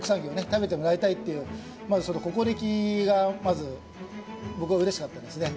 食べてもらいたいっていう心意気がまず僕は嬉しかったですね